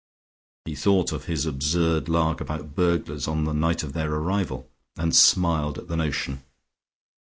He thought of his absurd lark about burglars on the night of their arrival, and smiled at the notion.